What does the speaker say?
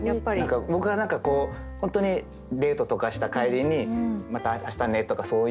僕は何かこう本当にデートとかした帰りに「また明日ね」とかそういう。